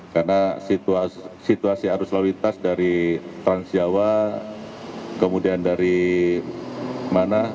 karena situasi arus lalu lintas dari trans jawa kemudian dari mana